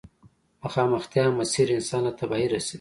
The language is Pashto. مخامختيا مسير انسان له تباهي رسوي.